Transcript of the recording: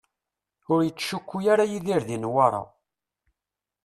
Ur yettcukku ara Yidir di Newwara.